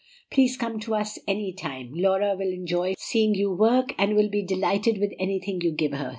Please come to us any time. Laura will enjoy seeing you work, and be delighted with anything you give her.